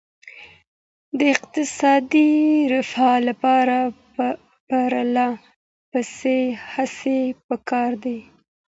د اقتصادي رفاه لپاره پرله پسې هڅې پکار دي.